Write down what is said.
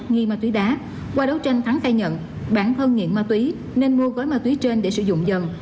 nghi ma túy đá qua đấu tranh thắng khai nhận bản thân nghiện ma túy nên mua gói ma túy trên để sử dụng dần